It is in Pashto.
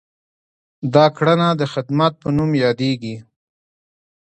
دا کړنه د خدمت په نوم یادیږي.